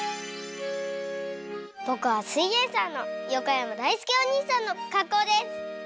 ぼくは「すイエんサー」の横山だいすけおにいさんのかっこうです！